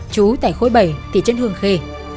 chú tại khối bảy thị trấn hương khê